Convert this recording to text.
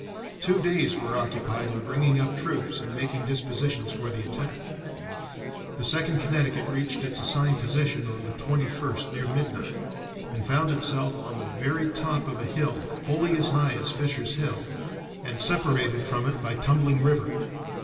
Two days were occupied in bringing up troops and making dispositions for the attack. The Second Connecticut reached its assigned position on the 21st near midnight, and found itself "on the very top of a hill fully as high as Fisher's Hill, and separated from it by Tumbling River.